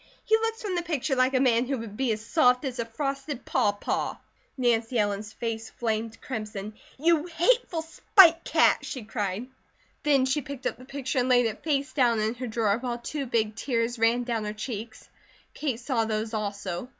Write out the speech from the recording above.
He looks from the picture like a man who would be as soft as a frosted pawpaw." Nancy Ellen's face flamed crimson. "You hateful spite cat!" she cried. Then she picked up the picture and laid it face down in her drawer, while two big tears ran down her cheeks. Kate saw those also.